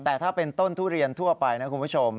แต่ถ้าเป็นต้นทุเรียนทั่วไปนะคุณผู้ชม